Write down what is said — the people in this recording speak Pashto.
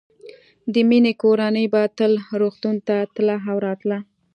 د مينې کورنۍ به تل روغتون ته تله او راتله